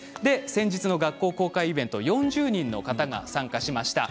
先日の学校公開イベント４０人の方が参加しました。